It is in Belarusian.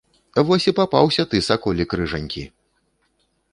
Вось і папаўся ты, саколік рыжанькі!